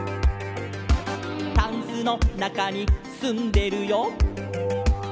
「タンスのなかにすんでるよ」